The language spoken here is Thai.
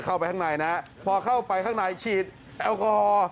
เข้าไปข้างในนะพอเข้าไปข้างในฉีดแอลกอฮอล์